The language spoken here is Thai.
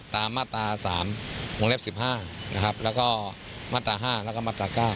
ตามม๓ม๑๕และครับแล้วก็ม๕แล้วก็ม๙